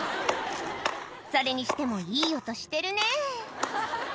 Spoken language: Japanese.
それにしてもいい音してるね